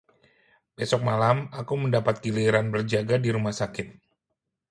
besok malam aku mendapat giliran berjaga di rumah sakit